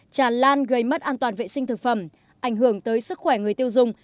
tràn lan gây mất an toàn vệ sinh thực phẩm ảnh hưởng tới sức khỏe người tiêu dùng